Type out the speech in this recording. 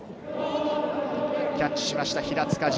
キャッチしました平塚仁。